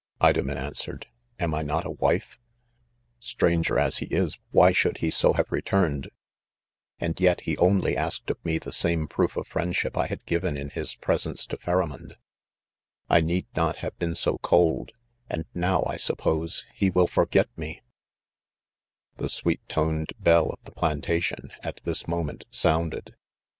Idomen answered, " am I not a wife X — Stranger as he is, why should he so have re turned 1 — and yet he only asked of me the same proof of friendship I had given, in his presence to Pharamond ; I need not have been so cold j and now I suppose, he will forget me l n The sweet toned bell of the plantation, at this moment, sounded.